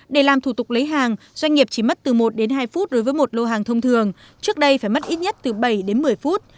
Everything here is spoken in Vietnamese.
để làm thủ tục lấy hàng doanh nghiệp chỉ mất từ một đến hai phút đối với một lô hàng thông thường trước đây phải mất ít nhất từ bảy đến một mươi phút